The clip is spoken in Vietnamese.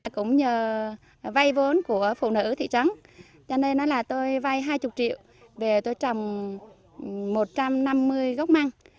cũng nhờ vay vốn của phụ nữ ở thị trấn cho nên là tôi vay hai mươi triệu về tôi trồng một trăm năm mươi gốc măng